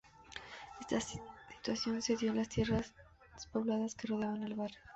Esta situación se dio en las tierras despobladas que rodeaban al barrio.